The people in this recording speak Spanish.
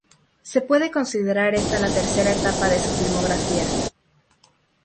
Se puede considerar esta la tercera etapa en su filmografía.